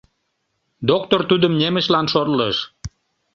Доктор тудым немычлан шотлыш.